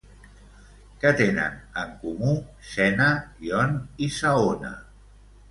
Què tenen en comú Sena, Yonne i Saona?